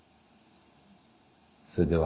それでは。